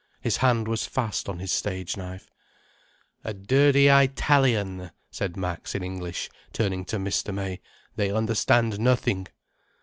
His hand was fast on his stage knife. "A dirty Eyetalian," said Max, in English, turning to Mr. May. "They understand nothing."